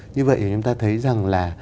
như vậy thì chúng ta thấy rằng là